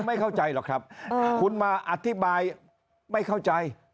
ไม่เข้าใจหรอกครับคุณมาอธิบายไม่เข้าใจ